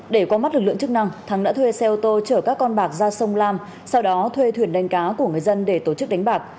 để qua mắt lực lượng chức năng thắng đã thuê xe ô tô chở các con bạc ra sông lam sau đó thuê thuyền đánh cá của người dân để tổ chức đánh bạc